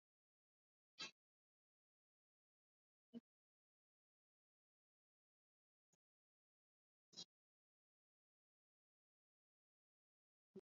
Wanachama wa chama cha demokrasia walitumia muda wao mwingi waliopewa kuzungumza kwa ukaribu na Jackson, badala ya kuuliza maswali ya moja kwa moja